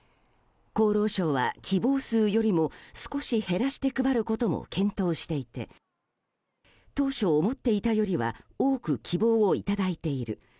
厚労省は希望数よりも少し減らして配ることも検討していて当初、思っていたよりは多く希望をいただいている。